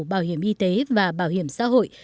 bảo hiểm y tế và bảo hiểm xã hội